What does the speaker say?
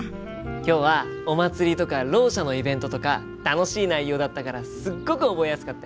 今日はお祭りとかろう者のイベントとか楽しい内容だったからすっごく覚えやすかったよ。